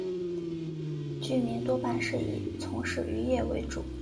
居民多半是以从事渔业为主。